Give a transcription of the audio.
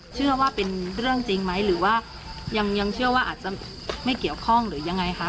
เชื่อว่าเป็นเรื่องจริงไหมหรือว่ายังเชื่อว่าอาจจะไม่เกี่ยวข้องหรือยังไงคะ